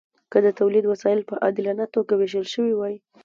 که د تولید وسایل په عادلانه توګه ویشل شوي وای.